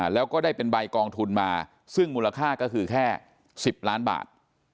แล้วก็ได้เป็นใบกองทุนมาซึ่งมูลค่าก็คือแค่๑๐ล้านบาท